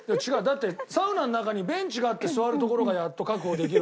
だってサウナの中にベンチがあって座るところがやっと確保できるわけじゃん。